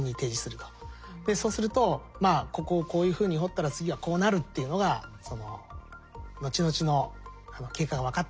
そうするとここをこういうふうに掘ったら次はこうなるっていうのが後々の経過が分かっていくと。